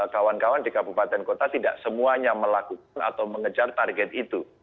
kawan kawan di kabupaten kota tidak semuanya melakukan atau mengejar target itu